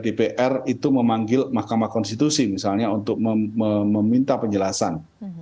dpr itu memanggil mahkamah konstitusi misalnya untuk meminta penjelasan